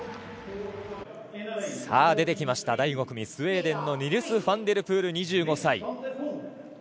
出てきました、第５組スウェーデンのニルス・ファンデルプール。